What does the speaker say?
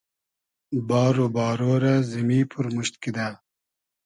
بار و بارۉ رۂ زیمی پورموشت کیدۂ